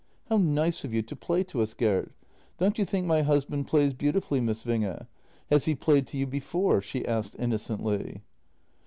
" How nice of you to play to us, Gert. Don't you think my husband plays beautifully, Miss Winge? Has he played to you before?" she asked innocently.